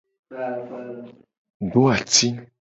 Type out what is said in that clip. Do ati.